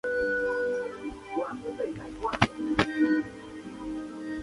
Se agregaron nuevas instalaciones y servicios necesarios para su nuevo destino.